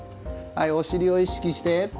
はいお尻を意識して。